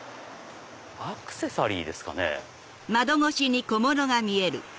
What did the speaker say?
アクセサリーですかね。